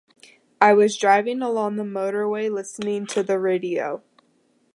I was driving along the motorway listening to the radio.